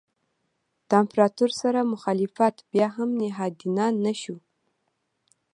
د امپراتور سره مخالفت بیا هم نهادینه نه شو.